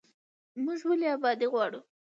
موږ ولې ابادي غواړو؟